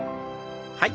はい。